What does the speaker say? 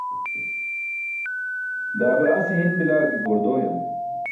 Daa be ase hin bila ke goor dooyam.